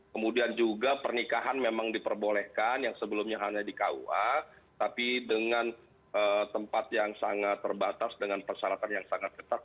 kemudian juga pernikahan memang diperbolehkan yang sebelumnya hanya di kua tapi dengan tempat yang sangat terbatas dengan persyaratan yang sangat ketat